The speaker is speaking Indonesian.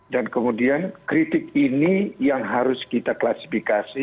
dan kemudian kritik ini yang harus kita klasifikasi